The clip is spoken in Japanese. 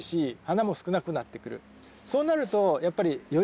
そうなるとやっぱりより。